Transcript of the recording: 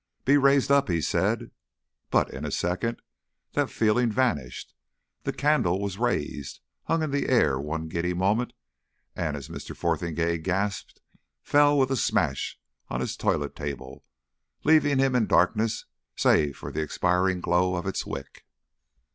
"Be raised up," he said. But in a second that feeling vanished. The candle was raised, hung in the air one giddy moment, and as Mr. Fotheringay gasped, fell with a smash on his toilet table, leaving him in darkness save for the expiring glow of its wick.